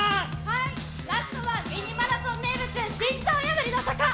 ラストは「ミニマラソン」名物心臓破りの坂。